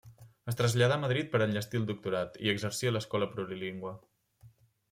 Es traslladà a Madrid per enllestir el Doctorat, i exercí a l'Escola Plurilingüe.